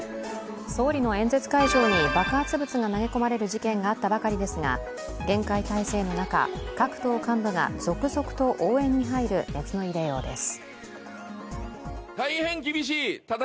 総理の演説会場に爆発物が投げ込まれる事件があったばかりですが厳戒態勢の中、各党の幹部が続々と応援に入る熱の入れようです。